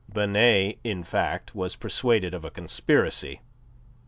Binet, in fact, was persuaded of a conspiracy.